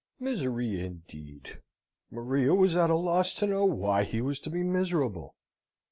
Misery, indeed! Maria was at a loss to know why he was to be miserable.